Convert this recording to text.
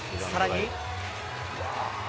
さらに。